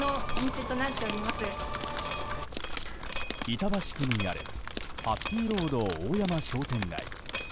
板橋区にあるハッピーロード大山商店街。